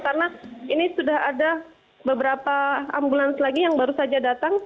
karena ini sudah ada beberapa ambulans lagi yang baru saja datang